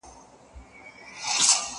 که وخت وي، لوښي وچوم،